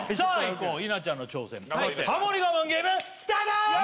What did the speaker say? こう稲ちゃんの挑戦ハモリ我慢ゲームスタート！